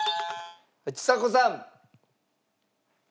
ちさ子さん。